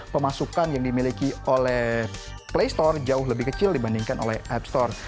pemasukan yang dimiliki oleh play store jauh lebih kecil dibandingkan oleh app store